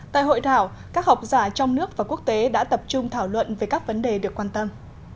tại hội thảo các học giả trong nước và quốc tế đã tập trung thảo luận về các vấn đề được quan tâm